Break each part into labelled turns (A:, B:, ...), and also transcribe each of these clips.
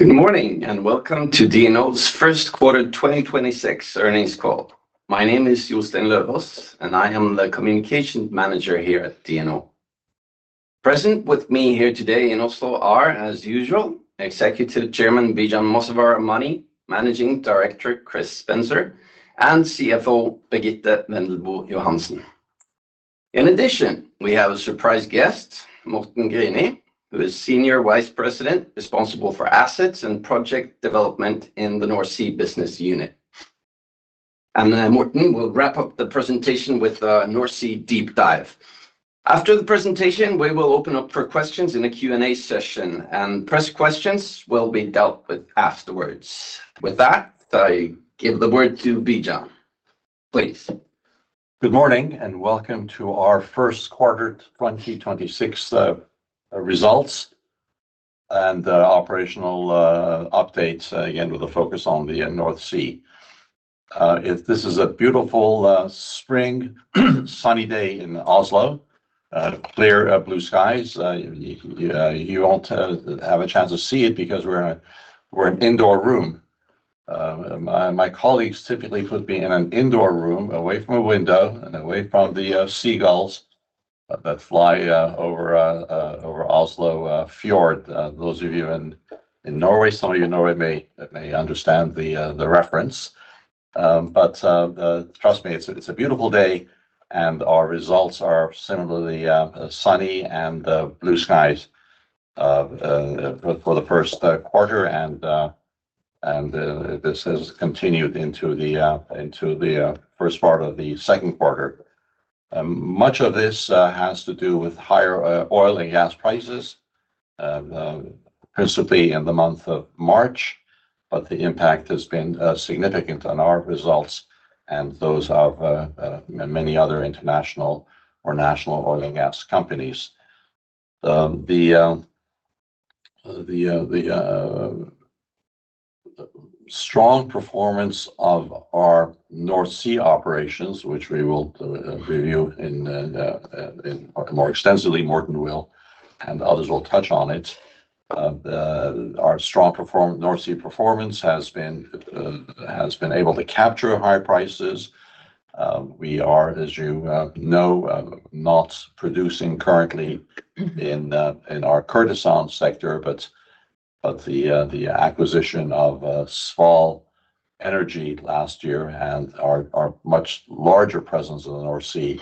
A: Good morning, welcome to DNO's first quarter 2026 earnings call. My name is Jostein Løvås, and I am the Communication Manager here at DNO. Present with me here today in Oslo are, as usual, Executive Chairman Bijan Mossavar-Rahmani, Managing Director Chris Spencer, and CFO Birgitte Wendelbo Johansen. In addition, we have a surprise guest, Morten Grini, who is Senior Vice President responsible for assets and project development in the North Sea business unit. Morten will wrap up the presentation with a North Sea deep dive. After the presentation, we will open up for questions in a Q&A session, and press questions will be dealt with afterwards. I give the word to Bijan. Please.
B: Good morning, welcome to our first quarter 2026 results and operational updates, again, with a focus on the North Sea. This is a beautiful spring sunny day in Oslo, clear blue skies. You won't have a chance to see it because we're in an indoor room. My colleagues typically put me in an indoor room, away from a window and away from the seagulls that fly over Oslo fjord. Those of you in Norway, some of you in Norway may understand the reference. Trust me, it's a beautiful day, and our results are similarly sunny and blue skies for the first quarter. This has continued into the first part of the second quarter. Much of this has to do with higher oil and gas prices, principally in the month of March, but the impact has been significant on our results and those of many other international or national oil and gas companies. The strong performance of our North Sea operations, which we will review in more extensively, Morten will, and others will touch on it. Our strong North Sea performance has been able to capture higher prices. We are, as you know, not producing currently in our Kurdistan sector, but the acquisition of Sval Energi last year and our much larger presence in the North Sea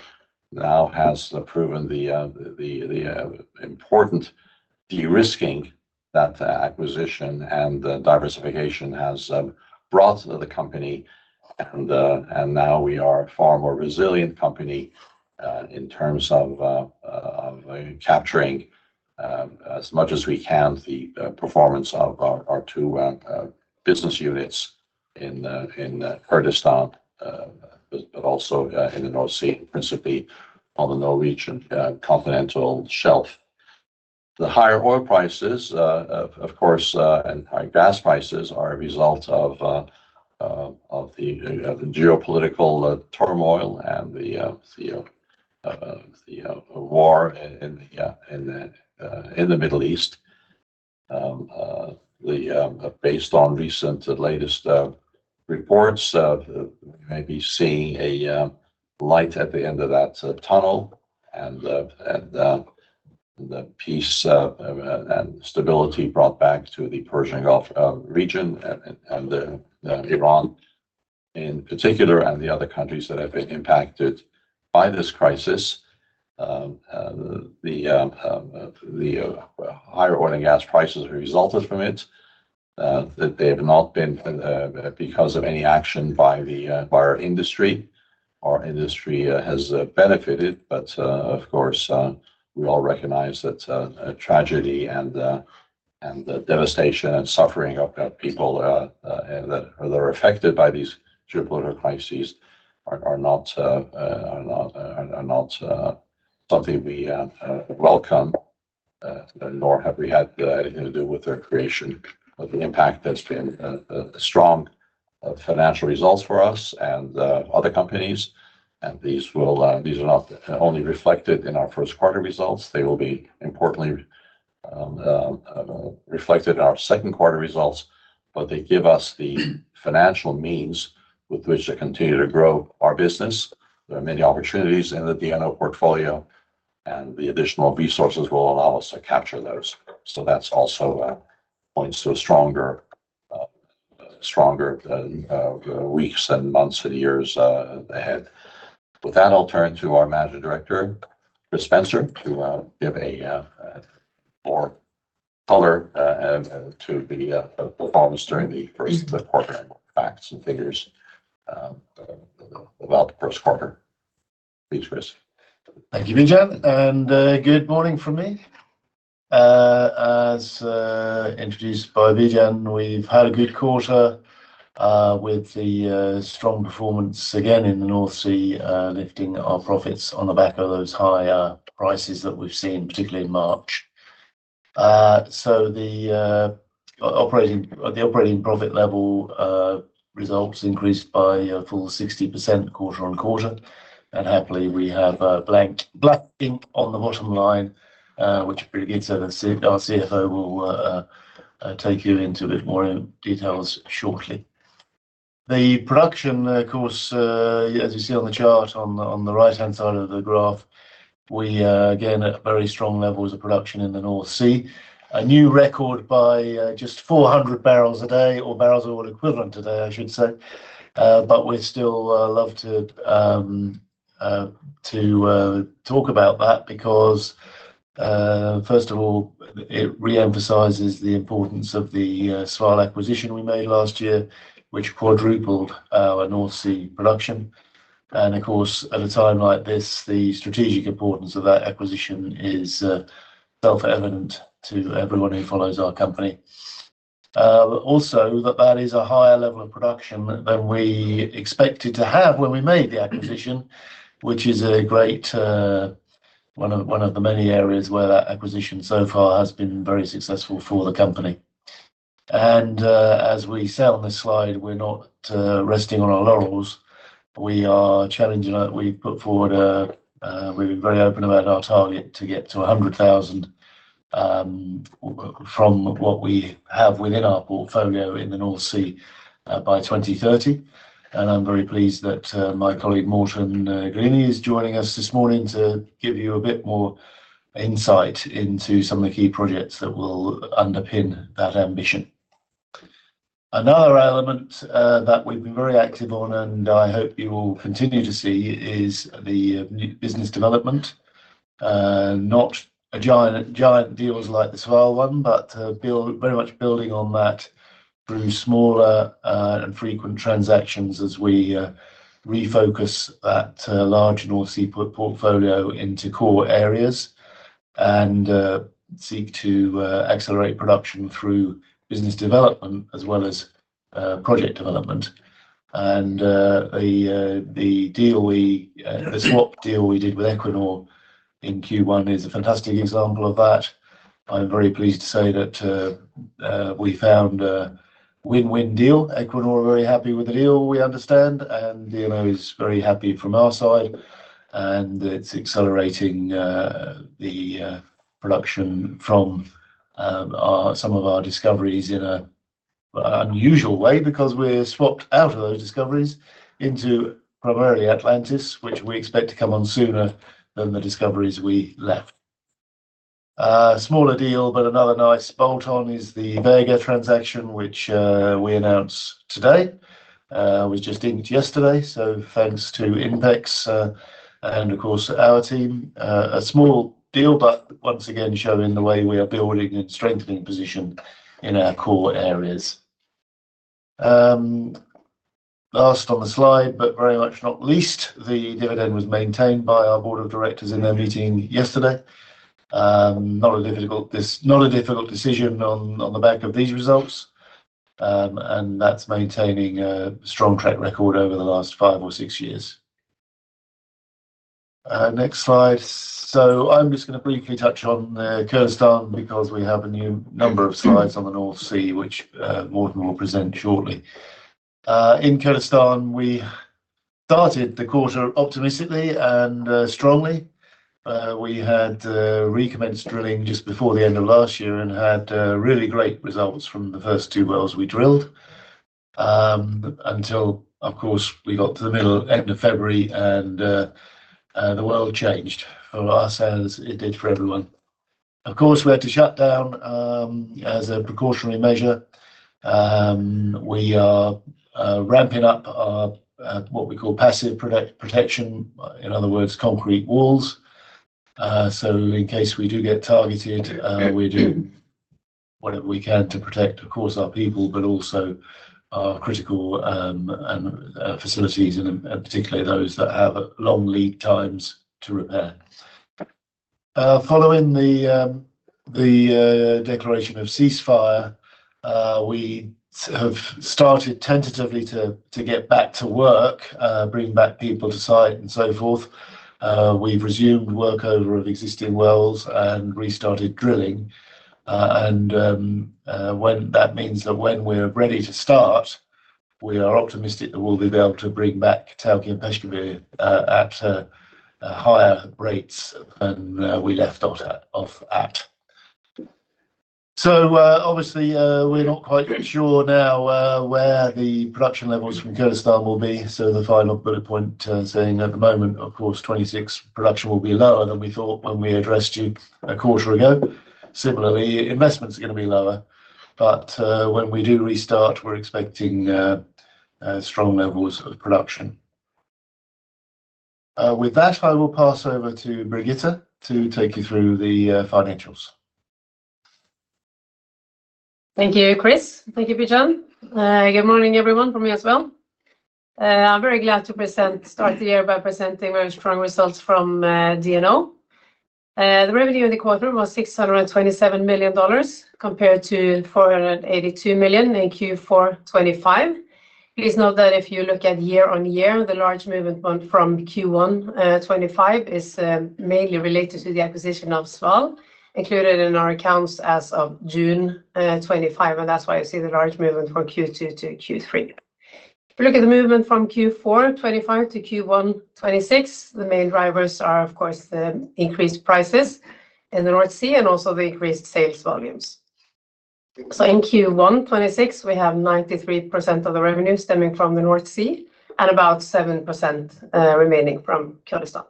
B: now has proven the important de-risking that acquisition and diversification has brought to the company. Now we are a far more resilient company in terms of capturing as much as we can the performance of our two business units in Kurdistan, but also in the North Sea, principally on the Norwegian continental shelf. The higher oil prices, of course, and high gas prices are a result of the geopolitical turmoil and the war in the Middle East. Based on recent latest reports of maybe seeing a light at the end of that tunnel and the peace and stability brought back to the Persian Gulf region and Iran in particular and the other countries that have been impacted by this crisis. The higher oil and gas prices resulted from it that they have not been because of any action by our industry. Our industry has benefited, but of course, we all recognize that tragedy and the devastation and suffering of the people that are affected by these geopolitical crises are not something we welcome, nor have we had anything to do with their creation. The impact has been strong financial results for us and other companies, and these are not only reflected in our first quarter results, they will be importantly reflected in our second quarter results, but they give us the financial means with which to continue to grow our business. There are many opportunities in the DNO portfolio, and the additional resources will allow us to capture those. That's also points to a stronger weeks and months and years ahead. With that, I'll turn to our Managing Director, Chris Spencer, to give a more color to the performance during the first quarter, facts and figures about the first quarter. Please, Chris.
C: Thank you, Bijan, good morning from me. As introduced by Bijan, we've had a good quarter with the strong performance again in the North Sea, lifting our profits on the back of those higher prices that we've seen, particularly in March. The operating profit level results increased by a full 60% quarter on quarter. Happily, we have black ink on the bottom line, which Birgitte, our CFO, will take you into a bit more in details shortly. The production, of course, as you see on the chart on the right-hand side of the graph, we again, at very strong levels of production in the North Sea. A new record by just 400 bbl a day, or barrels of oil equivalent a day, I should say. We'd still love to talk about that because first of all, it re-emphasizes the importance of the Sval acquisition we made last year, which quadrupled our North Sea production. Of course, at a time like this, the strategic importance of that acquisition is self-evident to everyone who follows our company. Also that that is a higher level of production than we expected to have when we made the acquisition, which is a great one of the many areas where that acquisition so far has been very successful for the company. As we said on this slide, we're not resting on our laurels. We are challenging it. We've put forward, we've been very open about our target to get to 100,000 from what we have within our portfolio in the North Sea by 2030. I'm very pleased that my colleague, Morten Grini, is joining us this morning to give you a bit more insight into some of the key projects that will underpin that ambition. Another element that we've been very active on, and I hope you will continue to see, is the new business development. Not giant deals like the Sval one, but very much building on that through smaller and frequent transactions as we refocus that large North Sea portfolio into core areas and seek to accelerate production through business development as well as project development. The deal we, the swap deal we did with Equinor in Q1 is a fantastic example of that. I'm very pleased to say that we found a win-win deal. Equinor are very happy with the deal, we understand, and DNO is very happy from our side, and it's accelerating the production from our, some of our discoveries in an unusual way because we're swapped out of those discoveries into primarily Atlantis, which we expect to come on sooner than the discoveries we left. Smaller deal, but another nice bolt-on is the Vega transaction, which we announced today. Was just inked yesterday. Thanks to INPEX and of course our team. A small deal, but once again, showing the way we are building and strengthening position in our core areas. Last on the slide, very much not least, the dividend was maintained by our Board of Directors in their meeting yesterday. Not a difficult decision on the back of these results. That's maintaining a strong track record over the last five or six years. Next slide. I'm just gonna briefly touch on Kurdistan because we have a new number of slides on the North Sea, which Morten will present shortly. In Kurdistan, we started the quarter optimistically and strongly. We had recommenced drilling just before the end of last year and had really great results from the first two wells we drilled. Until, of course, we got to the middle, end of February and the world changed for us as it did for everyone. Of course, we had to shut down as a precautionary measure. We are ramping up our what we call passive protection, in other words, concrete walls. In case we do get targeted, we're doing whatever we can to protect, of course, our people, but also our critical and facilities and particularly those that have long lead times to repair. Following the declaration of ceasefire, we have started tentatively to get back to work, bring back people to site and so forth. We've resumed work over of existing wells and restarted drilling. That means that when we're ready to start, we are optimistic that we'll be able to bring back Tawke and Peshkabir at higher rates than we left off at. Obviously, we're not quite sure now where the production levels from Kurdistan will be. The final bullet point, saying at the moment, of course, 2026 production will be lower than we thought when we addressed you a quarter ago.' Similarly, investment's going to be lower. When we do restart, we're expecting strong levels of production. With that, I will pass over to Birgitte to take you through the financials.
D: Thank you, Chris. Thank you, Bijan. Good morning everyone from me as well. I'm very glad to present, start the year by presenting very strong results from DNO. The revenue in the quarter was $627 million compared to $482 million in Q4 2025. Please note that if you look at year-on-year, the large movement went from Q1 2025 is mainly related to the acquisition of Sval, included in our accounts as of June 2025, that's why you see the large movement from Q2 to Q3. If you look at the movement from Q4 2025 to Q1 2026, the main drivers are, of course, the increased prices in the North Sea and also the increased sales volumes. In Q1 2026, we have 93% of the revenue stemming from the North Sea and about 7% remaining from Kurdistan.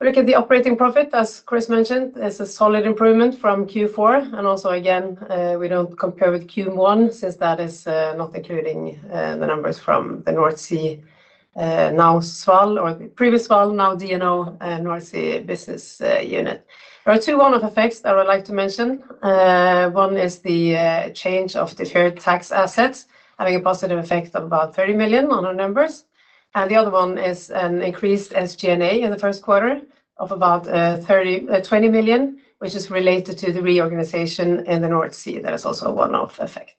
D: Look at the operating profit, as Chris mentioned, is a solid improvement from Q4. Also again, we don't compare with Q1 since that is not including the numbers from the North Sea, now Sval or previous Sval, now DNO, North Sea business unit. There are two one-off effects that I would like to mention. One is the change of deferred tax assets, having a positive effect of about 30 million on our numbers. The other one is an increased SG&A in the first quarter of about 20 million, which is related to the reorganization in the North Sea. That is also a one-off effect.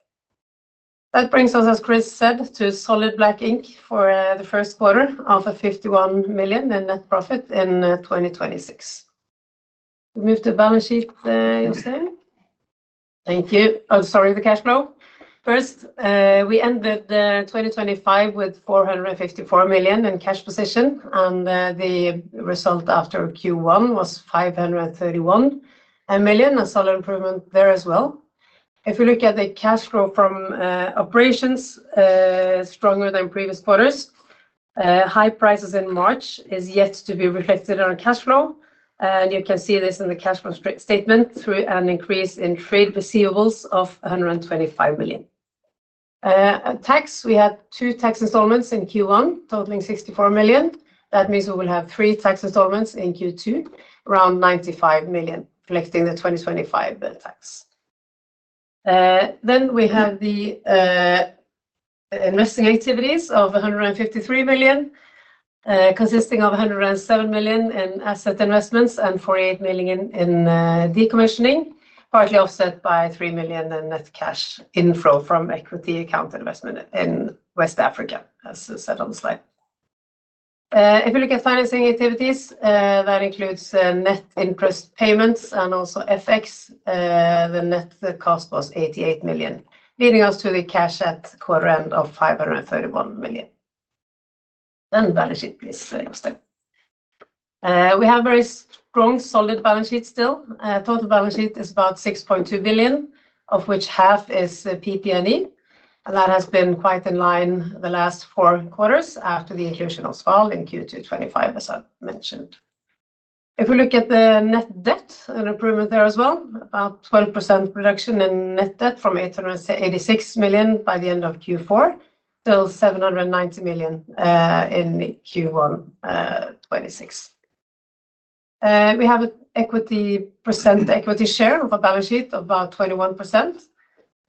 D: That brings us, as Chris said, to solid black ink for the first quarter of 51 million in net profit in 2026. We move to balance sheet, Jostein. Thank you. Oh, sorry, the cash flow. First, we ended 2025 with 454 million in cash position, and the result after Q1 was 531 million. A solid improvement there as well. If we look at the cash flow from operations, stronger than previous quarters. High prices in March is yet to be reflected on cash flow, and you can see this in the cash flow statement through an increase in trade receivables of 125 million. At tax, we had two tax installments in Q1, totaling 64 million. That means we will have three tax installments in Q2, around 95 million, reflecting the 2025 tax. Then we have the investing activities of 153 million, consisting of 107 million in asset investments and 48 million in decommissioning, partly offset by 3 million in net cash inflow from equity account investment in West Africa, as said on the slide. If you look at financing activities, that includes net interest payments and also FX. The net cost was 88 million, leading us to the cash at quarter end of 531 million. Balance sheet please, Jostein. We have very strong, solid balance sheet still. Total balance sheet is about 6.2 billion, of which half is PP&E. That has been quite in line the last four quarters after the inclusion of Sval in Q2 2025, as I mentioned. If we look at the net debt, an improvement there as well. About 12% reduction in net debt from 866 million by the end of Q4, till 790 million in Q1 2026. We have equity share of our balance sheet of about 21%.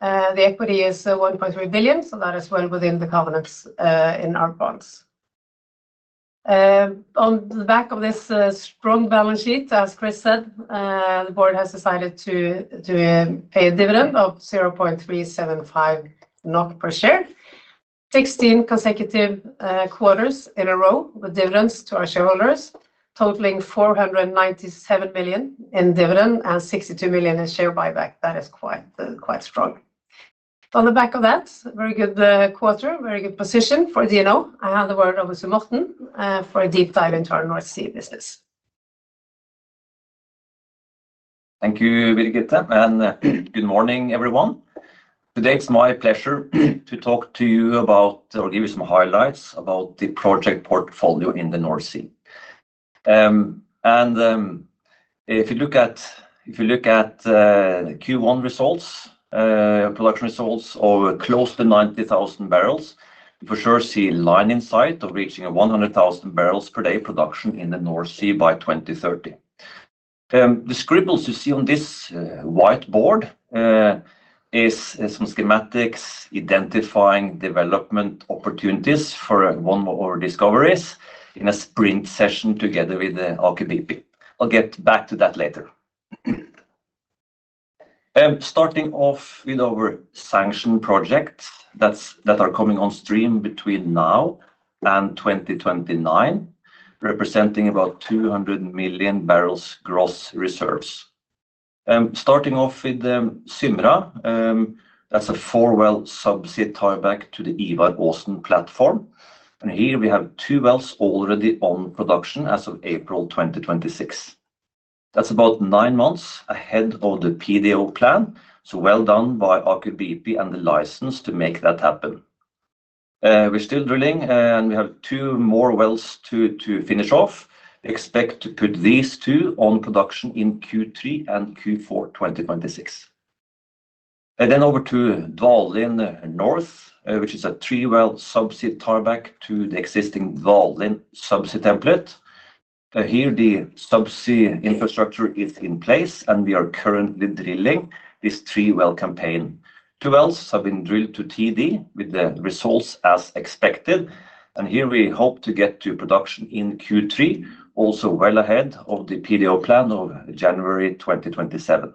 D: The equity is 1.3 billion, so that is well within the covenants in our bonds. On the back of this strong balance sheet, as Chris said, the board has decided to pay a dividend of 0.375 NOK per share. 16 consecutive quarters in a row with dividends to our shareholders, totaling 497 million in dividend and 62 million in share buyback. That is quite strong. On the back of that, very good quarter, very good position for DNO. I hand over to Morten for a deep dive into our North Sea business.
E: Thank you, Birgitte, good morning, everyone. Today, it's my pleasure to talk to you about or give you some highlights about the project portfolio in the North Sea. If you look at the Q1 results, production results over close to 90,000 bbl, you for sure see a line in sight of reaching a 100,000 bbl per day production in the North Sea by 2030. The scribbles you see on this whiteboard is some schematics identifying development opportunities for one of our discoveries in a sprint session together with Aker BP. I'll get back to that later. Starting off with our sanctioned projects that are coming on stream between now and 2029, representing about 200 million barrels gross reserves. Starting off with Symra. That's a 4-well subsea tieback to the Ivar Aasen platform. Here we have two wells already on production as of April 2026. That's about nine months ahead of the PDO plan. Well done by Aker BP and the license to make that happen. We're still drilling, and we have two more wells to finish off. Expect to put these two on production in Q3 and Q4 2026. Over to Valhall Flank North, which is a three-well subsea tieback to the existing Valhall subsea template. Here the subsea infrastructure is in place, and we are currently drilling this three-well campaign. Two wells have been drilled to TD with the results as expected. Here we hope to get to production in Q3, also well ahead of the PDO plan of January 2027.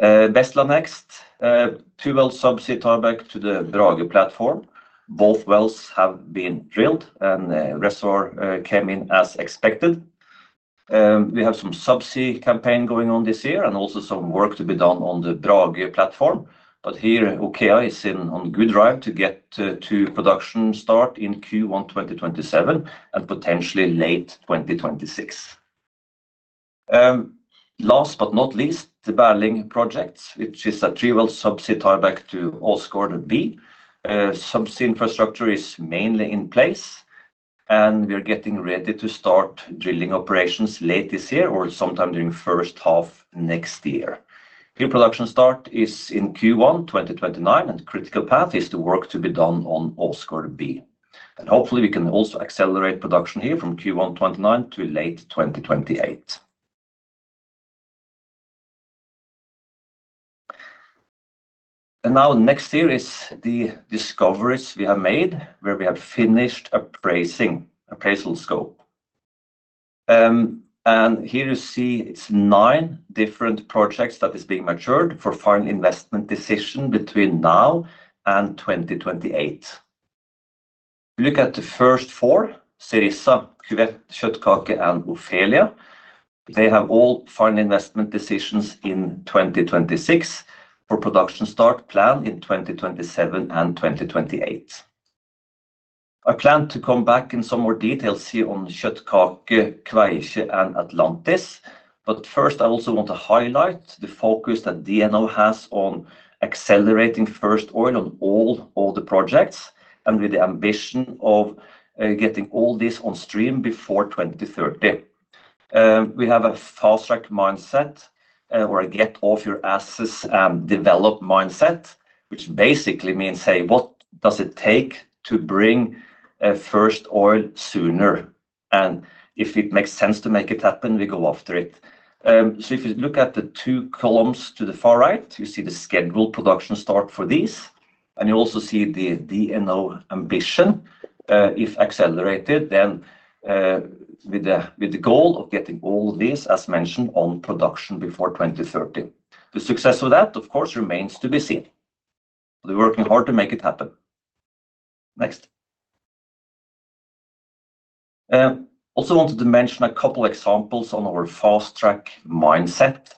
E: Bestla next. Two-well subsea tieback to the Draupne platform. Both wells have been drilled, and the reservoir came in as expected. We have some subsea campaign going on this year and also some work to be done on the Draupne platform. Here, OKEA is in on good drive to get to production start in Q1 2027 and potentially late 2026. Last but not least, the Berling projects, which is a three-well subsea tieback to Åsgard B. Subsea infrastructure is mainly in place, and we are getting ready to start drilling operations late this year or sometime during first half next year. Peak production start is in Q1 2029, and critical path is the work to be done on Åsgard B. Hopefully, we can also accelerate production here from Q1 2029 to late 2028. Next here is the discoveries we have made, where we have finished appraising appraisal scope. Here you see it's nine different projects that is being matured for final investment decision between now and 2028. If you look at the first four, Cerisa, Kveite, Kjøtkake, and Ofelia, they have all final investment decisions in 2026 for production start planned in 2027 and 2028. I plan to come back in some more details here on Kjøtkake, Kvasse, and Atlantis. First, I also want to highlight the focus that DNO has on accelerating first oil on all the projects and with the ambition of getting all this on stream before 2030. We have a fast-track mindset, or a get off your asses and develop mindset, which basically means say, "What does it take to bring, first oil sooner?" If it makes sense to make it happen, we go after it. If you look at the 2 columns to the far right, you see the scheduled production start for these, and you also see the DNO ambition, if accelerated, with the goal of getting all this, as mentioned, on production before 2030. The success of that, of course, remains to be seen. We're working hard to make it happen. Next. Also wanted to mention a couple examples on our fast-track mindset.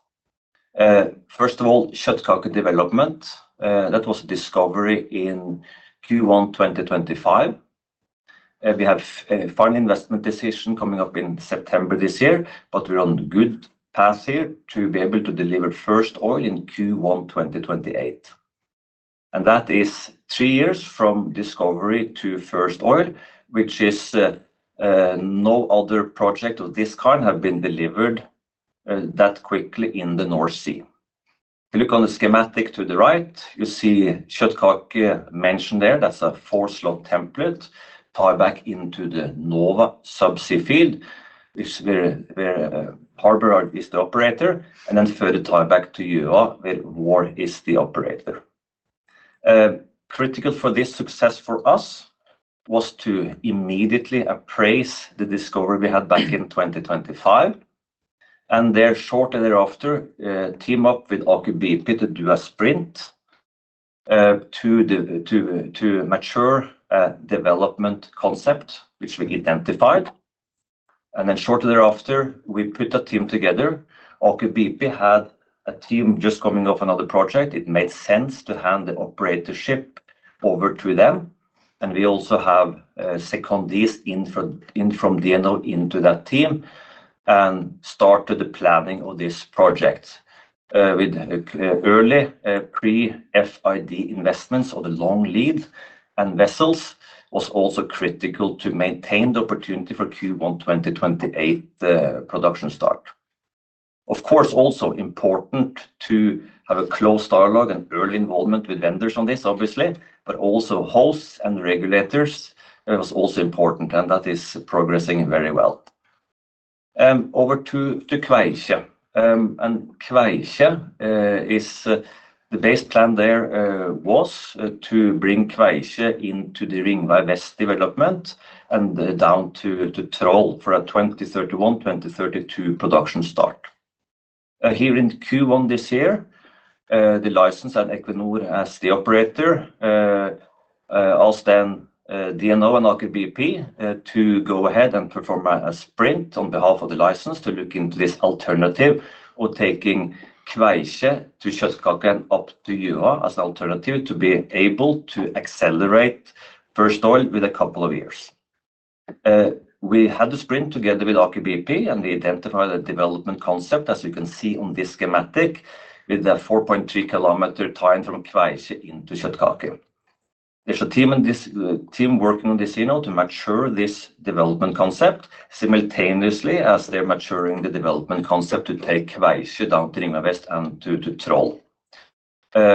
E: First of all, Kjøtkake development. That was discovery in Q1 2025. We have a final investment decision coming up in September this year, but we're on good path here to be able to deliver first oil in Q1 2028. That is three years from discovery to first oil, which is no other project of this kind have been delivered that quickly in the North Sea. If you look on the schematic to the right, you see Kveite mentioned there. That's a four-slot template tieback into the Nova subsea field. It's where Harbour Energy is the operator, and then further tieback to Gjøa, where Vår Energi is the operator. Critical for this success for us was to immediately appraise the discovery we had back in 2025, and there shortly thereafter, team up with Aker BP to do a sprint to mature a development concept which we identified. Then shortly thereafter, we put a team together. Aker BP had a team just coming off another project. It made sense to hand the operatorship over to them. We also have secondees in from DNO into that team and started the planning of this project with early pre-FID investments of the long lead and vessels was also critical to maintain the opportunity for Q1 2028 production start. Of course, also important to have a close dialogue and early involvement with vendors on this, but also hosts and regulators, it was also important, and that is progressing very well. Over to Kvasse. Kvasse is the base plan there was to bring Kvasse into the Ringvei Vest development and down to Troll for a 2031, 2032 production start. Here in Q1 this year, the license and Equinor as the operator, asked then DNO and Aker BP to go ahead and perform a sprint on behalf of the license to look into this alternative of taking Kvasse to Kjøtkake and up to Gjøa as an alternative to be able to accelerate first oil with a couple of years. We had the sprint together with Aker BP, and they identified the development concept, as you can see on this schematic, with a 4.3-km tie-in from Kvasse into Kjøtkake. There's a team in this team working on this, you know, to mature this development concept simultaneously as they're maturing the development concept to take Kvasse down to Ringvei Vest and to Troll.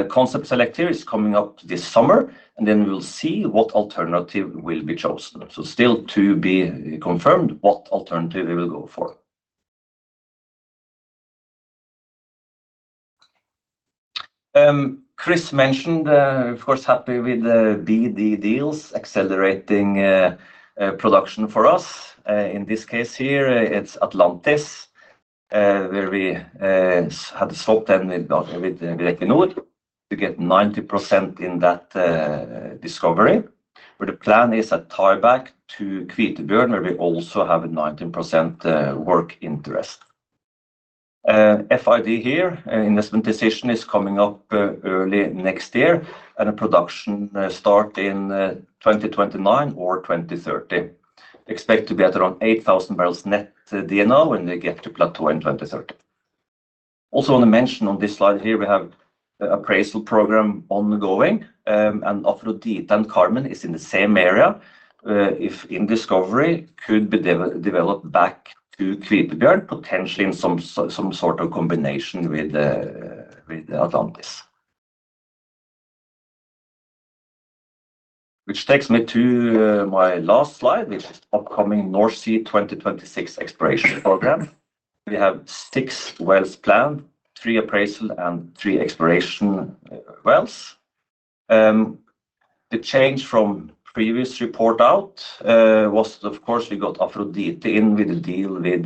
E: Concept select here is coming up this summer, then we will see what alternative will be chosen. Still to be confirmed what alternative we will go for. Chris mentioned, of course, happy with the BD deals accelerating production for us. In this case here, it's Atlantis, where we had swapped then with Equinor to get 90% in that discovery. The plan is a tieback to Kvitebjørn, where we also have a 19% work interest. FID here, investment decision is coming up early next year and a production start in 2029 or 2030. Expect to be at around 8,000 bbl net DNO when they get to plateau in 2030. Also wanna mention on this slide here, we have appraisal program ongoing. Aphrodite and Carmen is in the same area. If in discovery could be developed back to Kvitebjørn, potentially in some sort of combination with the Atlantis. Which takes me to my last slide, which is upcoming North Sea 2026 exploration program. We have six wells planned, three appraisal and three exploration wells. The change from previous report out was of course we got Aphrodite in with the deal with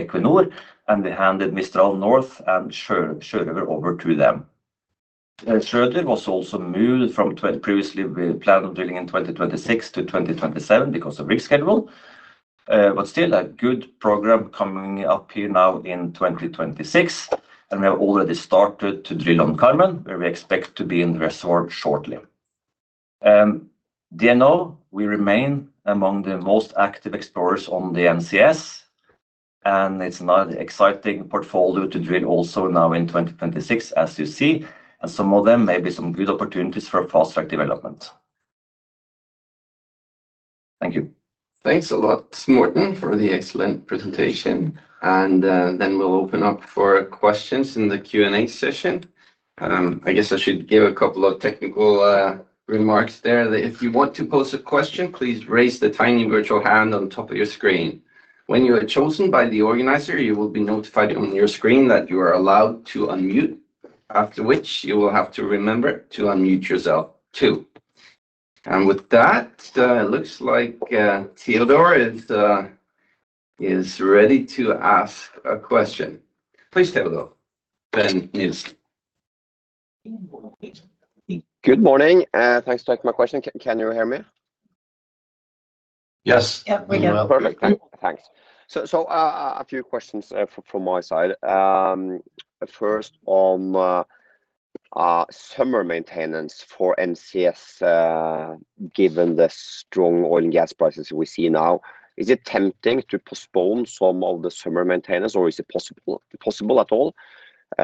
E: Equinor, we handed Mistral North and Sjørøver over to them. Sjørøver was also moved from previously we planned on drilling in 2026-2027 because of rig schedule. Still a good program coming up here now in 2026. We have already started to drill on Carmen, where we expect to be in the result shortly. DNO, we remain among the most active explorers on the NCS, and it's another exciting portfolio to drill also now in 2026, as you see. Some of them may be some good opportunities for fast-track development. Thank you.
B: Thanks a lot, Morten, for the excellent presentation. Then we'll open up for questions in the Q&A session. I guess I should give a couple of technical remarks there. If you want to pose a question, please raise the tiny virtual hand on top of your screen. When you are chosen by the organizer, you will be notified on your screen that you are allowed to unmute, after which you will have to remember to unmute yourself too. With that, it looks like Teodor is ready to ask a question. Please take a go.
A: Ben, yes.
F: Good morning. Thanks for taking my question. Can you hear me?
B: Yes.
D: Yeah, we hear.
F: Perfect. Thanks. A few questions from my side. First on summer maintenance for NCS, given the strong oil and gas prices we see now, is it tempting to postpone some of the summer maintenance, or is it possible at all?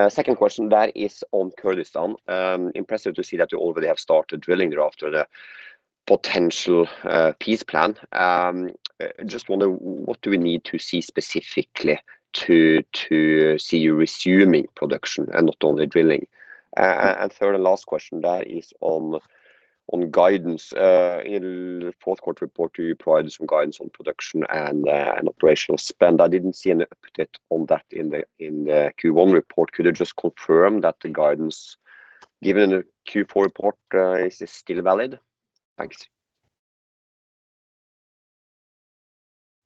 F: Second question, that is on Kurdistan. Impressive to see that you already have started drilling there after the potential peace plan. Just wonder what do we need to see specifically to see you resuming production and not only drilling? Third and last question, that is on guidance. In fourth quarter report, you provided some guidance on production and operational spend. I didn't see any update on that in the Q1 report. Could you just confirm that the guidance given in the Q4 report is still valid? Thanks.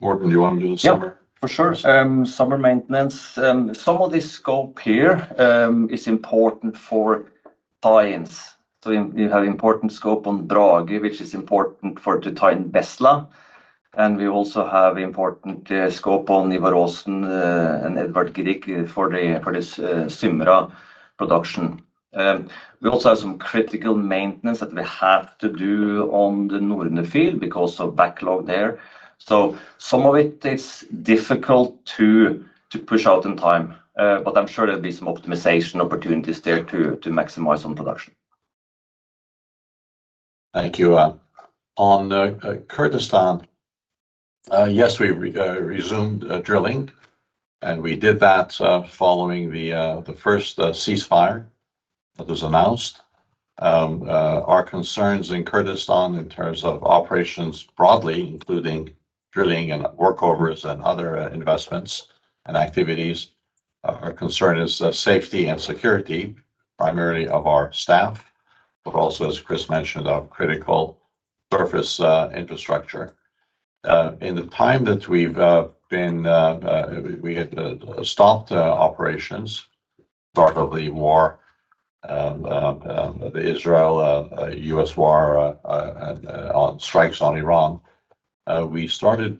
B: Morten, do you wanna do the summary?
E: Yeah, for sure. Summer maintenance, some of the scope here, is important for tie-ins. We have important scope on Draupne, which is important for to tie in Bestla. We also have important scope on Ivar Aasen and Edvard Grieg for the, for this Symra production. We also have some critical maintenance that we have to do on the Norne field because of backlog there. Some of it's difficult to push out in time. But I'm sure there'll be some optimization opportunities there to maximize on production.
B: Thank you. On Kurdistan, yes, we resumed drilling, and we did that following the first ceasefire that was announced. Our concerns in Kurdistan in terms of operations broadly, including drilling and workovers and other investments and activities, our concern is the safety and security, primarily of our staff, but also, as Chris mentioned, our critical surface infrastructure. In the time that we've been, we had stopped operations at the start of the war, the Israel U.S. war, and on strikes on Iran, we started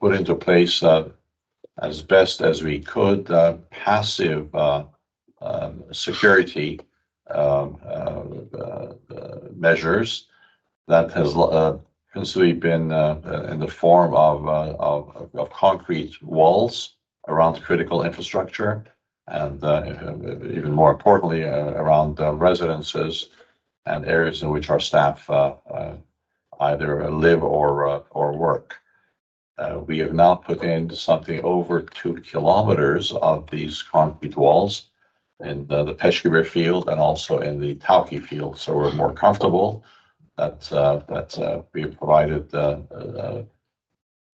B: put into place as best as we could passive security measures that has since we've been in the form of concrete walls around critical infrastructure and even more importantly, around residences and areas in which our staff either live or work. We have now put in something over two kilometers of these concrete walls in the Peshkabir field and also in the Tawke field, so we're more comfortable that we have provided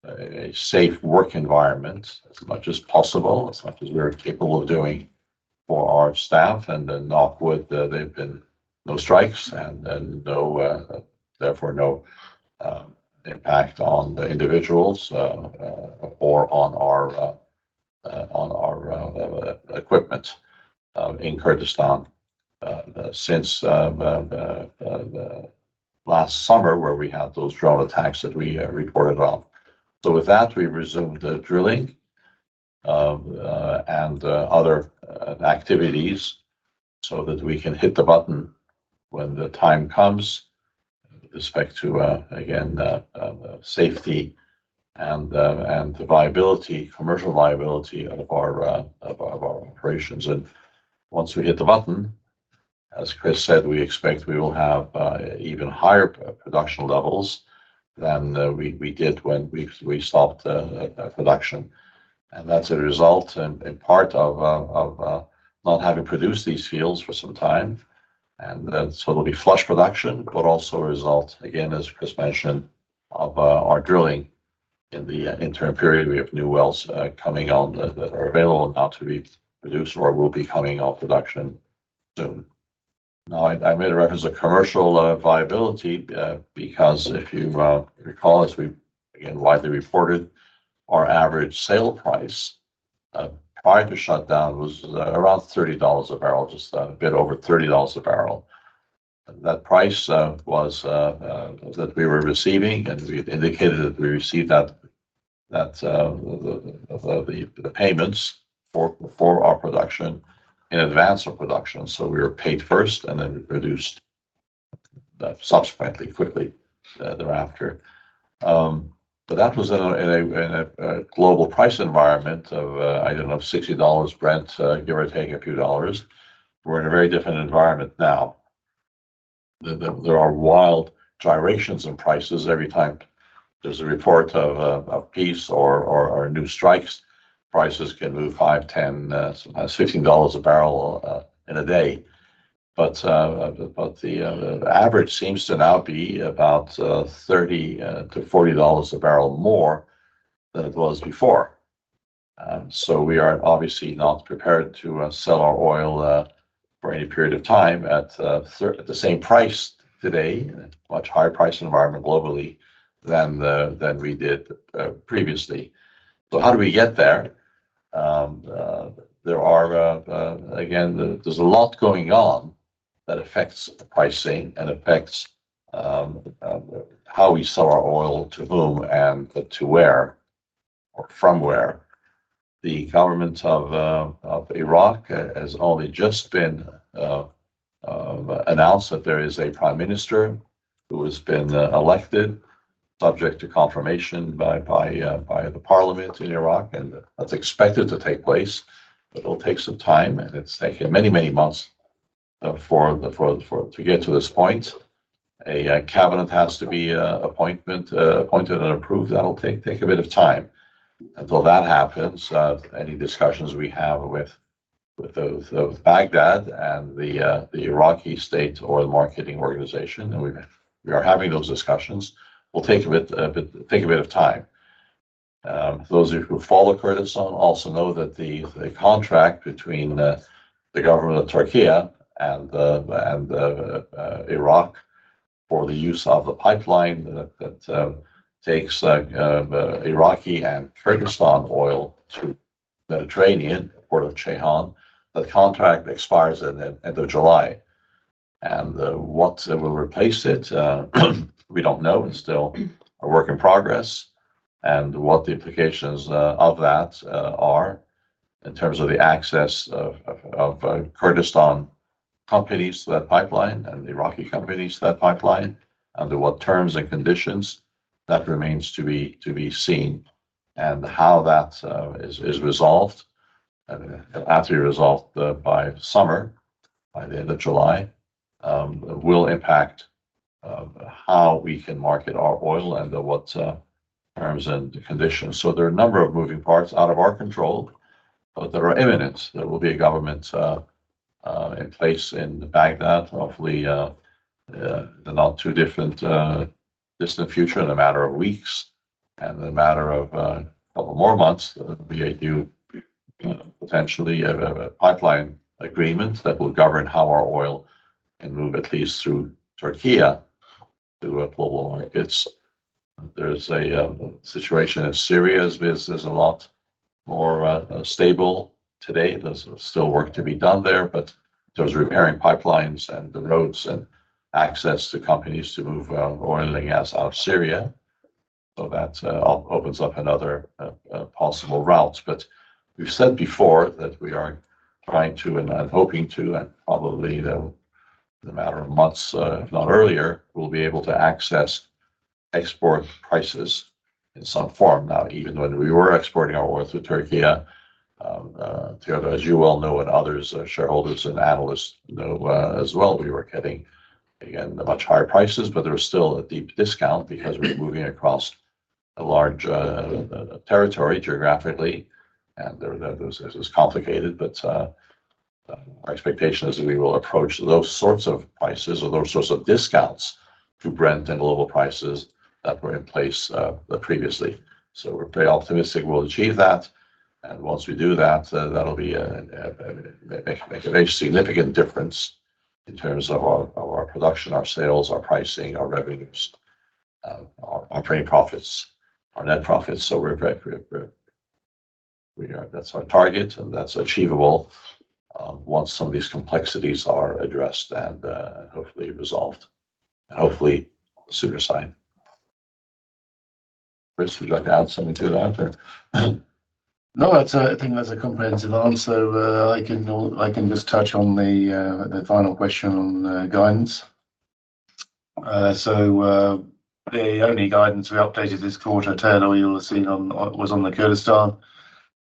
B: a safe work environment as much as possible, as much as we are capable of doing for our staff. Knock wood, there have been no strikes and no therefore no impact on the individuals or on our equipment in Kurdistan since last summer where we had those drone attacks that we reported on. With that, we resumed the drilling, and other activities so that we can hit the button when the time comes with respect to again, safety and viability, commercial viability of our operations. Once we hit the button, as Chris said, we expect we will have even higher production levels than we did when we stopped production. That's a result and, in part of not having produced these fields for some time. So it'll be flush production, but also a result, again, as Chris mentioned, of our drilling in the interim period. We have new wells coming on that are available now to be produced or will be coming off production soon. I made a reference to commercial viability because if you recall, as we again widely reported, our average sale price prior to shutdown was around $30 a barrel, just a bit over $30 a barrel. That price was that we were receiving, and we had indicated that we received that the payments for our production in advance of production. We were paid first and then produced subsequently, quickly thereafter. That was in a global price environment of I don't know, $60 Brent, give or take a few dollars. There are wild gyrations in prices every time there's a report of peace or new strikes. Prices can move $5, $10, $16 a barrel in a day. The average seems to now be about $30 to $40 a barrel more than it was before. We are obviously not prepared to sell our oil for any period of time at the same price today. Much higher price environment globally than we did previously. How do we get there? Again, there's a lot going on that affects the pricing and affects how we sell our oil, to whom, and to where or from where. The government of Iraq has only just been announced that there is a prime minister who has been elected, subject to confirmation by the parliament in Iraq, and that's expected to take place. It'll take some time, and it's taken many, many months for to get to this point. A cabinet has to be appointed and approved. That'll take a bit of time. Until that happens, any discussions we have with Baghdad and the Iraqi State Oil Marketing Organization, and we are having those discussions, will take a bit, take a bit of time. Those of who follow Kurdistan also know that the contract between the government of Türkiye and Iraq for the use of the pipeline that takes Iraqi and Kurdistan oil to the Mediterranean port of Ceyhan, that contract expires in the end of July. What will replace it, we don't know. It's still a work in progress. What the implications of that are in terms of the access of Kurdistan companies to that pipeline and Iraqi companies to that pipeline, under what terms and conditions, that remains to be seen. How that is resolved, and it'll have to be resolved by summer, by the end of July, will impact how we can market our oil and what terms and conditions. There are a number of moving parts out of our control, but there are imminence. There will be a government in place in Baghdad, hopefully, in the not too different, distant future in a matter of weeks. In a matter of couple more months, there'll be a new, potentially have a pipeline agreement that will govern how our oil can move, at least through Türkiye to global markets. There's a situation in Syria as which there's a lot more stable today. There's still work to be done there's repairing pipelines and the roads and access to companies to move oil and gas out of Syria. That opens up another possible route. We've said before that we are trying to and hoping to, and probably in a matter of months, if not earlier, we'll be able to access export prices in some form. Even when we were exporting our oil through Türkiye, Teodor, as you well know, and others, shareholders and analysts know, as well, we were getting, again, much higher prices, but there was still a deep discount because we're moving across a large territory geographically, and it's complicated. My expectation is we will approach those sorts of prices or those sorts of discounts to Brent and global prices that were in place previously. We're pretty optimistic we'll achieve that. Once we do that'll make a very significant difference in terms of our production, our sales, our pricing, our revenues. Operating profits. Our net profits. That's our target, and that's achievable once some of these complexities are addressed and hopefully resolved, and hopefully sooner than later. Chris, would you like to add something to that, or?
C: No, that's, I think that's a comprehensive answer. I can just touch on the final question on guidance. The only guidance we updated this quarter, Teodor, you'll have seen on was on the Kurdistan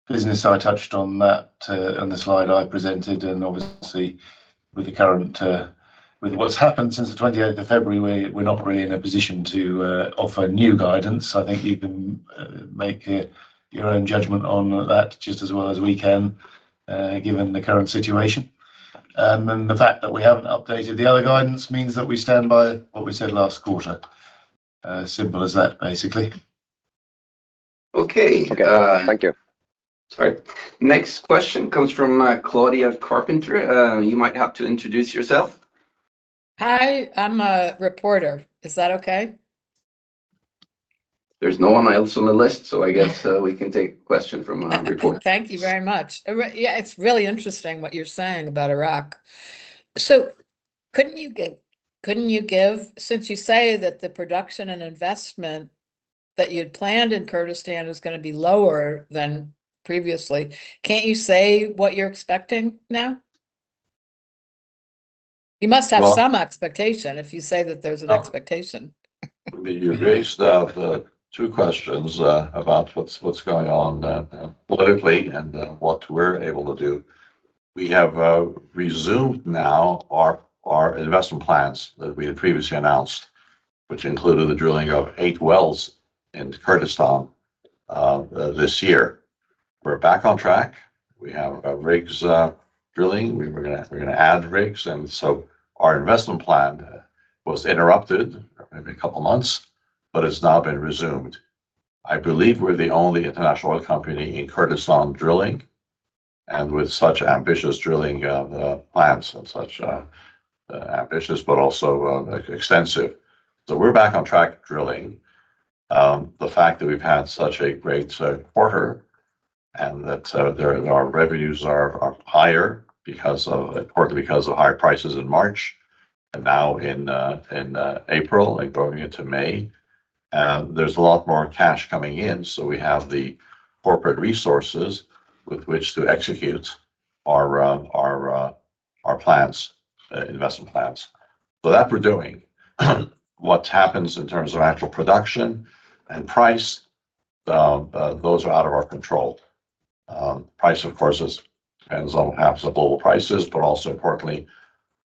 C: business. I touched on that on the slide I presented. Obviously with the current, with what's happened since the 28th of February, we're not really in a position to offer new guidance. I think you can make your own judgment on that just as well as we can given the current situation. The fact that we haven't updated the other guidance means that we stand by what we said last quarter. Simple as that, basically.
A: Okay.
F: Okay. Thank you.
A: Sorry. Next question comes from, Claudia Carpenter. You might have to introduce yourself.
G: Hi, I'm a reporter. Is that okay?
A: There's no one else on the list, so we can take a question from a reporter.
G: Thank you very much. yeah, it's really interesting what you're saying about Iraq. Couldn't you give, since you say that the production and investment that you'd planned in Kurdistan is gonna be lower than previously, can't you say what you're expecting now?
B: Well-
G: some expectation if you say that there's an expectation.
B: You raised two questions about what's going on politically and what we're able to do. We have resumed now our investment plans that we had previously announced, which included the drilling of eight wells in Kurdistan this year. We're back on track. We have rigs drilling. We're gonna add rigs. Our investment plan was interrupted maybe a couple of months, but it's now been resumed. I believe we're the only international oil company in Kurdistan drilling, and with such ambitious drilling plans and such ambitious, but also extensive. We're back on track drilling. The fact that we've had such a great quarter and that our revenues are higher because of, importantly, because of higher prices in March and now in April and going into May, there's a lot more cash coming in. We have the corporate resources with which to execute our plans, investment plans. What happens in terms of actual production and price, those are out of our control. Price of course is, depends on perhaps the global prices, but also importantly,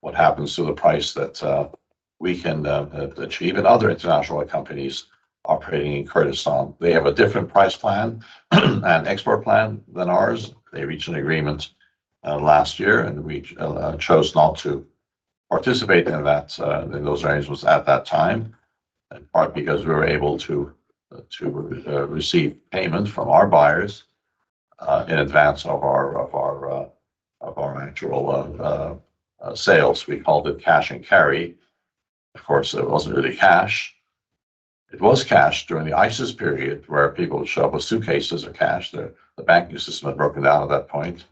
B: what happens to the price that we can achieve and other international oil companies operating in Kurdistan. They have a different price plan and export plan than ours. They reached an agreement last year. We chose not to participate in that in those arrangements at that time, in part because we were able to receive payment from our buyers in advance of our actual sales. We called it cash and carry. Of course, it wasn't really cash. It was cash during the ISIS period, where people would show up with suitcases of cash. The banking system had broken down at that point.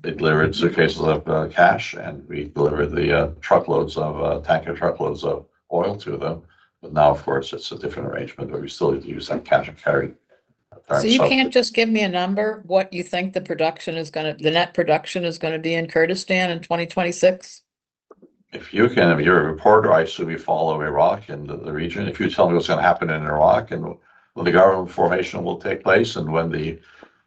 B: They delivered suitcases of cash. We delivered the truckloads of tanker truckloads of oil to them. Now, of course, it's a different arrangement, but we still use that cash and carry term.
G: You can't just give me a number, what you think the net production is going to be in Kurdistan in 2026?
B: If you can, if you're a reporter, I assume you follow Iraq and the region. If you tell me what's gonna happen in Iraq, and when the government formation will take place, and when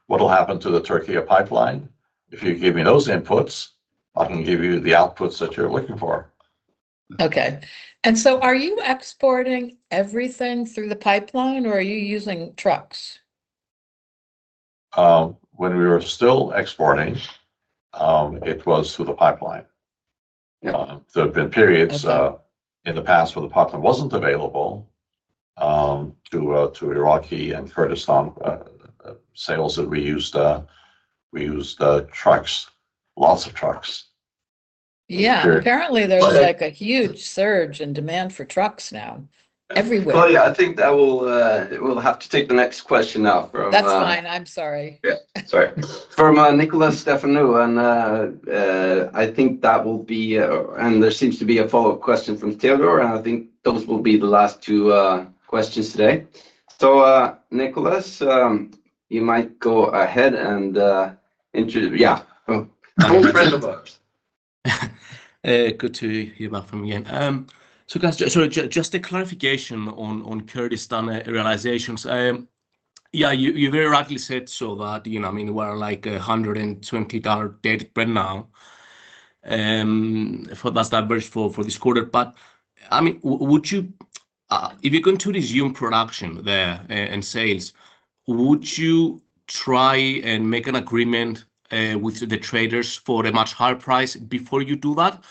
B: what'll happen to the Turkey pipeline. If you give me those inputs, I can give you the outputs that you're looking for.
G: Okay. Are you exporting everything through the pipeline, or are you using trucks?
B: When we were still exporting, it was through the pipeline.
G: Yeah.
B: Um, there have been periods-
G: Okay
B: In the past where the pipeline wasn't available, to Iraqi and Kurdistan sales that we used trucks. Lots of trucks.
G: Yeah.
B: There-
G: Apparently there's, like, a huge surge in demand for trucks now everywhere.
A: Claudia, I think that will, we'll have to take the next question now.
G: That's fine. I'm sorry.
A: Yeah. Sorry. From Nikolas Stefanou. I think that will be, and there seems to be a follow-up question from Teodor, and I think those will be the last two questions today. Nicholas, you might go ahead.
B: Old friend of ours.
H: Good to hear back from you again. guys, just a clarification on Kurdistan realizations. you very rightly said so that, you know, I mean, we're like $120 debt per now for, that's diverse for this quarter. I mean, would you if you're going to resume production there and sales, would you try and make an agreement with the traders for a much higher price before you do that?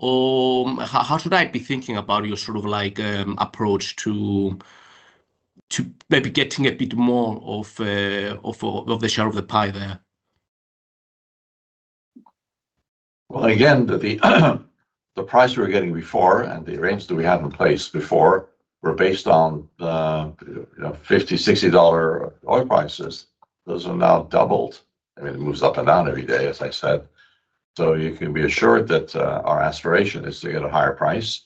H: how should I be thinking about your sort of like approach to maybe getting a bit more of the share of the pie there?
B: Well, again, the price we were getting before and the arrangements that we had in place before were based on, you know, NOK 50-NOK 60 oil prices. Those have now doubled. I mean, it moves up and down every day, as I said. You can be assured that our aspiration is to get a higher price,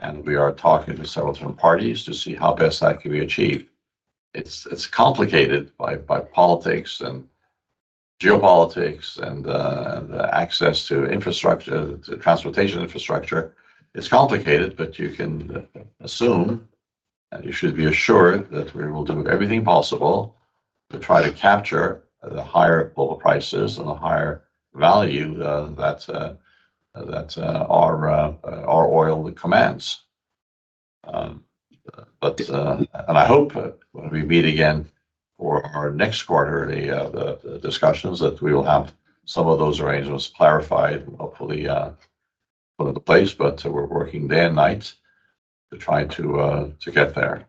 B: and we are talking to several different parties to see how best that can be achieved. It's complicated by politics and geopolitics and the access to infrastructure, to transportation infrastructure. It's complicated, but you can assume, and you should be assured, that we will do everything possible to try to capture the higher oil prices and the higher value that our oil commands. I hope when we meet again for our next quarter, the discussions, that we will have some of those arrangements clarified and hopefully put into place. We're working day and night to try to get there.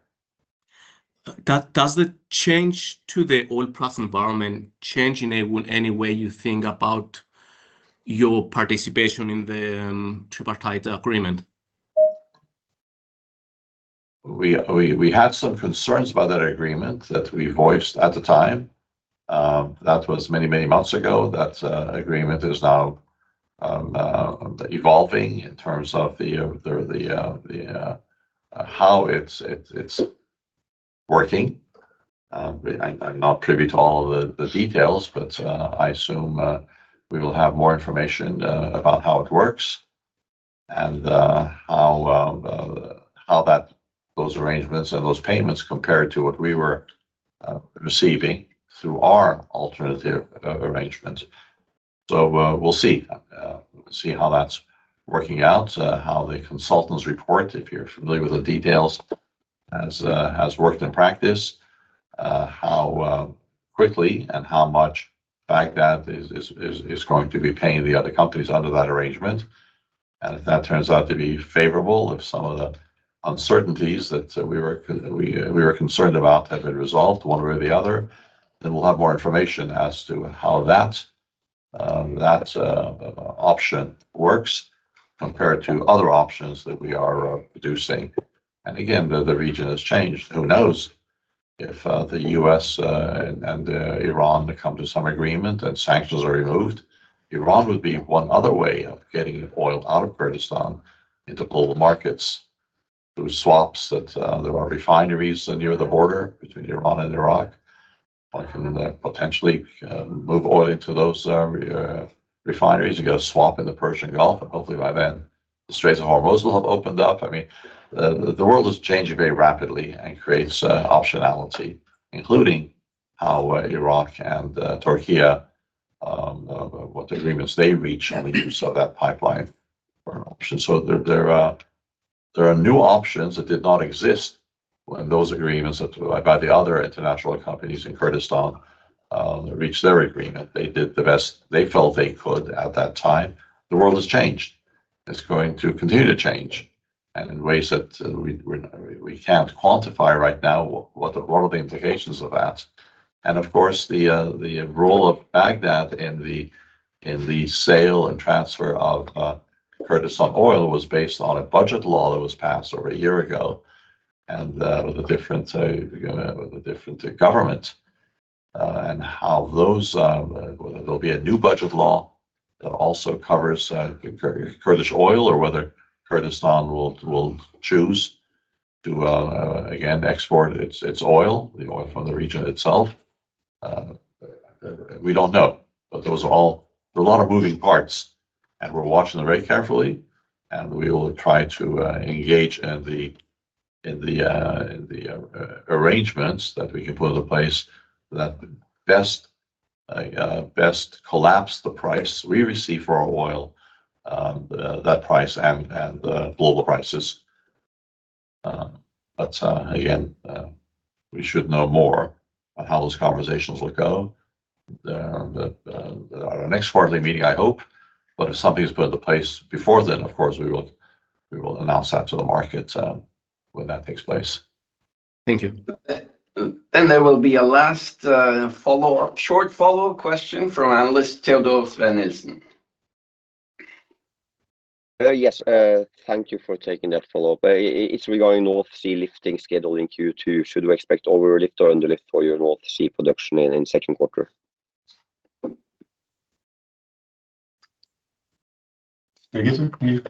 H: Does the change to the oil price environment change any way you think about your participation in the tripartite agreement?
B: We had some concerns about that agreement that we voiced at the time. That was many, many months ago. That agreement is now evolving in terms of how it's working. I'm not privy to all the details, but I assume we will have more information about how it works and how those arrangements and those payments compare to what we were receiving through our alternative arrangements. We'll see. We'll see how that's working out, how the consultants report, if you're familiar with the details, has worked in practice, how quickly and how much Baghdad is going to be paying the other companies under that arrangement. If that turns out to be favorable, if some of the uncertainties that we were concerned about have been resolved one way or the other, then we'll have more information as to how that option works compared to other options that we are producing. Again, the region has changed. Who knows? If the U.S. and Iran come to some agreement and sanctions are removed, Iran would be one other way of getting oil out of Kurdistan into global markets through swaps that. There are refineries near the border between Iran and Iraq. One can potentially move oil into those refineries and get a swap in the Persian Gulf, and hopefully by then the Strait of Hormuz will have opened up. I mean, the world is changing very rapidly and creates optionality, including how Iraq and Türkiye what agreements they reach and the use of that pipeline are an option. There are new options that did not exist when those agreements that by the other international companies in Kurdistan reached their agreement. They did the best they felt they could at that time. The world has changed. It's going to continue to change, and in ways that we're we can't quantify right now what are the implications of that. Of course, the role of Baghdad in the sale and transfer of Kurdistan oil was based on a budget law that was passed over a year ago, with a different, with a different government. Whether there'll be a new budget law that also covers Kurdish oil or whether Kurdistan will choose to again, export its oil, the oil from the region itself, we don't know. Those are all There are a lot of moving parts, and we're watching them very carefully, and we will try to engage in the arrangements that we can put into place that best collapse the price we receive for our oil, that price and the global prices. Again, we should know more on how those conversations will go, at our next quarterly meeting, I hope. If something is put into place before then, of course we will announce that to the market, when that takes place.
H: Thank you.
B: Uh-
A: There will be a last, short follow-up question from Analyst Teodor Sveen-Nilsen.
F: Yes. Thank you for taking that follow-up. It's regarding North Sea lifting schedule in Q2. Should we expect overlift or underlift for your North Sea production in second quarter?
B: Birgitte, can you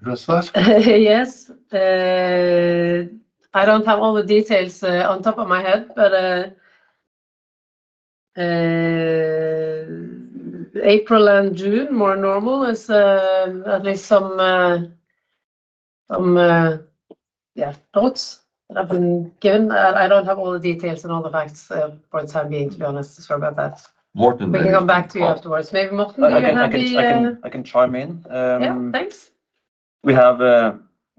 B: address that?
D: Yes. I don't have all the details on top of my head, but April and June more normal is at least some thoughts that I've been given. I don't have all the details and all the facts for the time being, to be honest. Sorry about that.
B: Morten.
D: We can come back to you afterwards. Maybe Morten, you can help me.
E: I can chime in.
D: Yeah, thanks.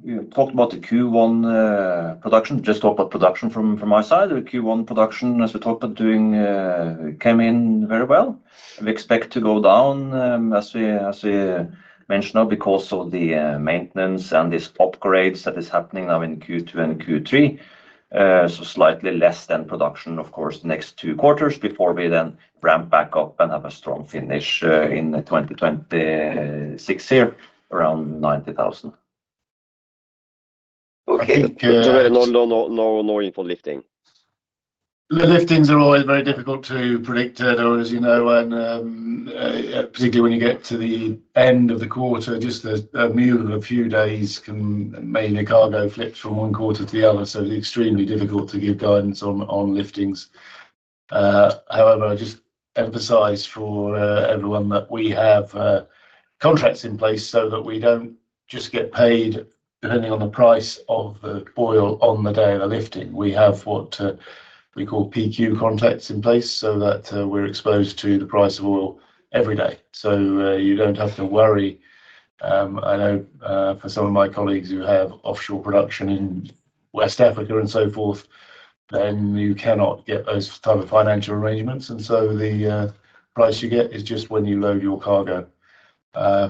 E: We talked about the Q1 production. Just talk about production from my side. The Q1 production, as we talked about doing, came in very well. We expect to go down. Mention now because of the maintenance and this upgrades that is happening now in Q2 and Q3. Slightly less than production, of course, next two quarters before we then ramp back up and have a strong finish in 2026 here, around 90,000.
F: Okay.
C: I think.
A: No, no, no for lifting.
C: The liftings are always very difficult to predict, as you know, and particularly when you get to the end of the quarter, just a mere few days can make a cargo flip from one quarter to the other. It's extremely difficult to give guidance on liftings. However, I just emphasize for everyone that we have contracts in place so that we don't just get paid depending on the price of the oil on the day of the lifting. We have what we call PQ contracts in place so that we're exposed to the price of oil every day. You don't have to worry. I know for some of my colleagues who have offshore production in West Africa and so forth, then you cannot get those type of financial arrangements, the price you get is just when you load your cargo.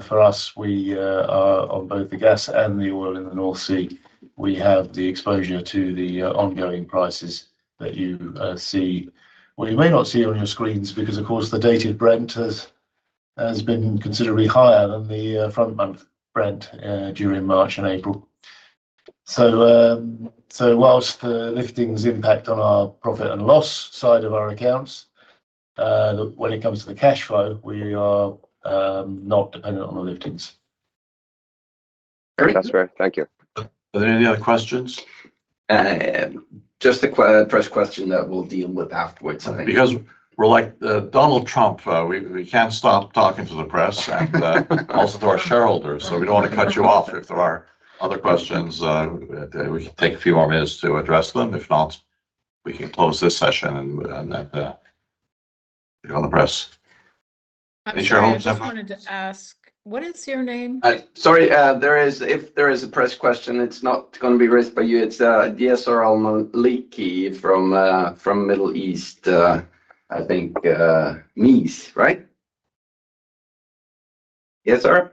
C: For us, we are on both the gas and the oil in the North Sea. We have the exposure to the ongoing prices that you see. Well, you may not see on your screens because, of course, the Dated Brent has been considerably higher than the front-month Brent during March and April. Whilst the liftings impact on our profit and loss side of our accounts, look, when it comes to the cash flow, we are not dependent on the liftings.
A: Great.
F: That's fair. Thank you.
B: Are there any other questions?
A: Just a press question that we'll deal with afterwards, I think.
B: Because we're like Donald Trump, we can't stop talking to the press. Also to our shareholders. We don't want to cut you off if there are other questions. We can take a few more minutes to address them. If not, we can close this session and then get on the press and shareholders.
D: I just wanted to ask, what is your name?
A: Sorry, there is, if there is a press question, it's not gonna be raised by you. It's Yesar Al-Maleki from Middle East, I think, MEES, right? Yesar,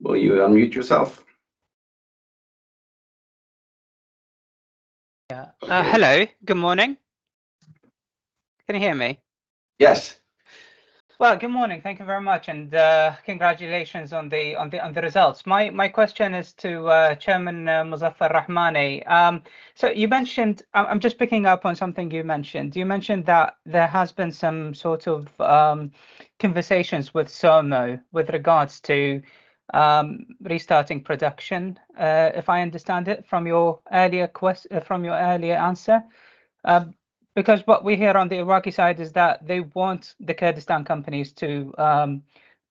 A: will you unmute yourself?
I: Yeah. Hello. Good morning. Can you hear me?
A: Yes.
I: Well, good morning. Thank you very much. Congratulations on the results. My question is to Chairman Mossavar-Rahmani. You mentioned I am just picking up on something you mentioned. You mentioned that there has been some sort of conversations with SOMO with regards to restarting production, if I understand it from your earlier answer. Because what we hear on the Iraqi side is that they want the Kurdistan companies to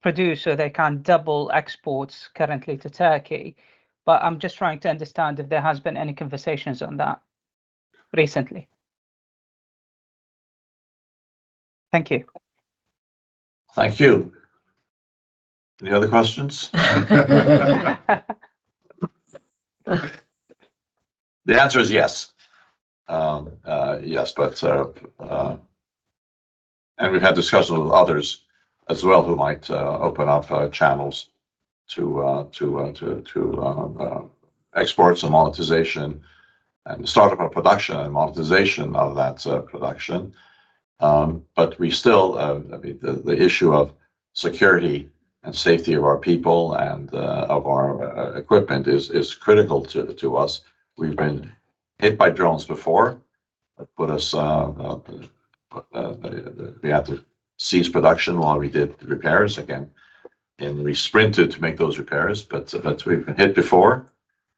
I: produce so they can double exports currently to Turkey. I am just trying to understand if there has been any conversations on that recently. Thank you.
B: Thank you. Any other questions? The answer is yes. Yes, but, and we've had discussions with others as well who might open up channels to exports and monetization and the start of our production and monetization of that production. We still, I mean, the issue of security and safety of our people and of our equipment is critical to us. We've been hit by drones before. We had to cease production while we did repairs again, and we sprinted to make those repairs. We've been hit before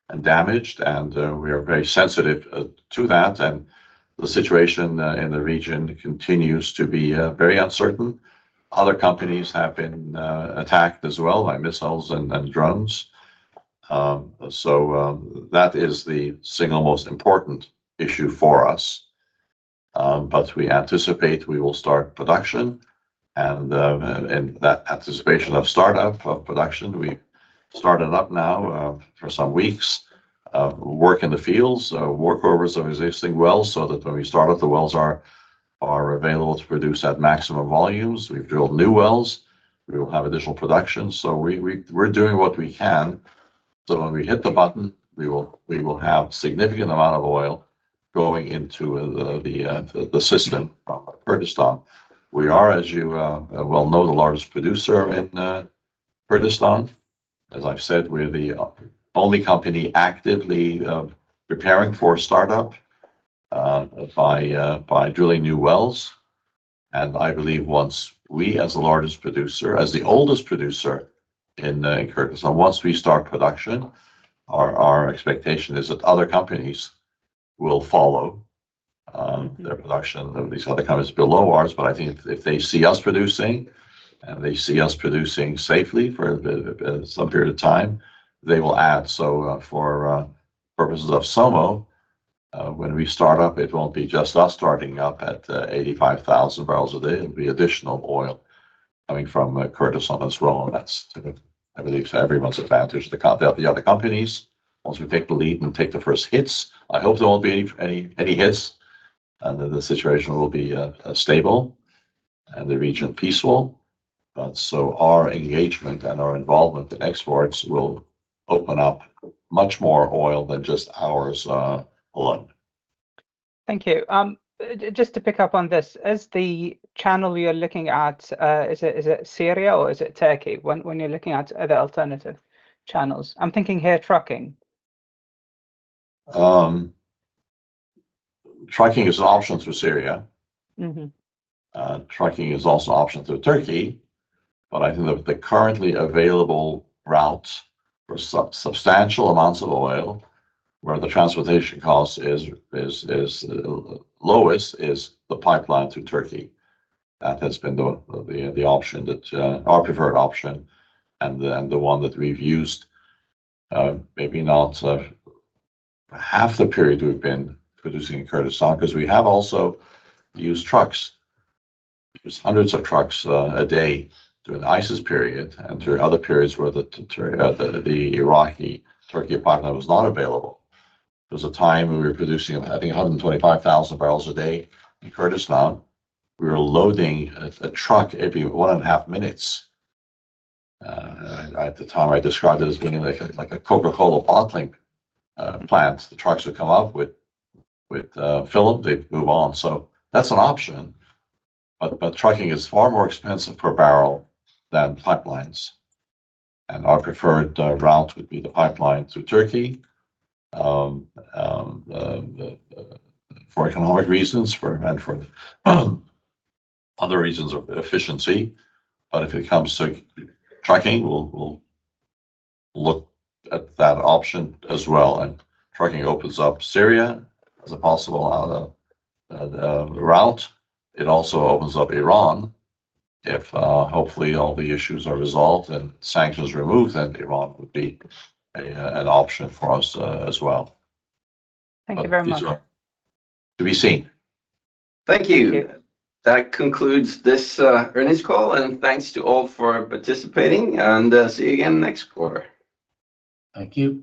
B: and damaged, and we are very sensitive to that. The situation in the region continues to be very uncertain. Other companies have been attacked as well by missiles and drones. That is the single most important issue for us. We anticipate we will start production and that anticipation of startup of production, we started up now for some weeks of work in the fields, work over some existing wells so that when we start up, the wells are available to produce at maximum volumes. We've drilled new wells. We will have additional production. We're doing what we can, so when we hit the button, we will have significant amount of oil going into the system of Kurdistan. We are, as you well know, the largest producer in Kurdistan. As I've said, we're the only company actively preparing for startup by drilling new wells, and I believe once we, as the largest producer, as the oldest producer in Kurdistan, once we start production, our expectation is that other companies will follow, their production of these other companies below ours. I think if they see us producing, and they see us producing safely for some period of time, they will add. For purposes of SOMO, when we start up, it won't be just us starting up at 85,000 bbl a day. It'll be additional oil coming from Kurdistan as well, and that's, I believe, to everyone's advantage. The other companies Once we take the lead and take the first hits. I hope there won't be any hits, and that the situation will be stable and the region peaceful. Our engagement and our involvement in exports will open up much more oil than just ours alone.
I: Thank you. Just to pick up on this, is the channel you're looking at, is it Syria or is it Turkey when you're looking at other alternative channels? I'm thinking here trucking.
B: Trucking is an option through Syria. Trucking is also an option through Turkey. I think that the currently available route for substantial amounts of oil, where the transportation cost is lowest, is the pipeline through Turkey. That has been the option that our preferred option, and the one that we've used, maybe not half the period we've been producing in Kurdistan, 'cause we have also used trucks. We used hundreds of trucks a day during the ISIS period and during other periods where the Iraqi-Turkey pipeline was not available. There was a time when we were producing, I think, 125,000 bbl a day in Kurdistan. We were loading a truck every 1.5 minutes. At the time I described it as being like a Coca-Cola bottling plant. The trucks would come up with, fill up, they'd move on. That's an option, but trucking is far more expensive per barrel than pipelines. Our preferred route would be the pipeline through Turkey, for economic reasons, and for other reasons of efficiency. If it comes to trucking, we'll look at that option as well. Trucking opens up Syria as a possible route. It also opens up Iran. If hopefully all the issues are resolved and sanctions removed, then Iran would be an option for us as well.
I: Thank you very much.
B: These are to be seen.
A: Thank you. That concludes this earnings call, and thanks to all for participating, and see you again next quarter.
B: Thank you.